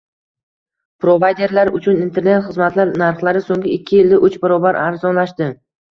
Provayderlar uchun internet xizmatlar narxlari so‘nggi ikki yilda uch barobar arzonlashdi